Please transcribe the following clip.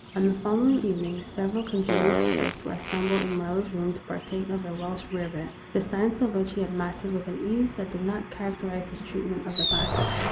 On the following evening several congenial spirits were assembled in Marlowe's room to partake of a Welsh rarebit, the science of which he had mastered with an ease that did not characterize his treatment of the classics.